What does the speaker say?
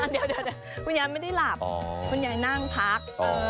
เดี๋ยวคุณยายไม่ได้หลับคุณยายนั่งพัก